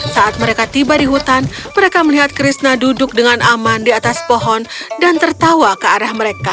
saat mereka tiba di hutan mereka melihat krishna duduk dengan aman di atas pohon dan tertawa ke arah mereka